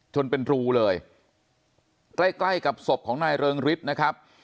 เป็นรูเลยใกล้ใกล้กับศพของนายเริงฤทธิ์นะครับ